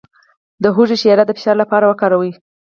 د هوږې شیره د فشار لپاره وکاروئ